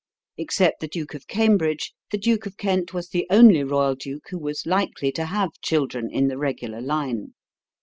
Except the Duke of Cambridge, the Duke of Kent was the only royal duke who was likely to have children in the regular line.